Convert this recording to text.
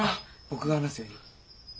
僕が話すよ恵里。